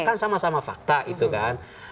kan sama sama fakta itu kan